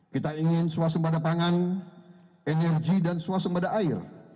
kita ingin suasana pangan energi dan suasana air